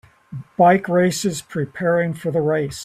Bike races preparing for the race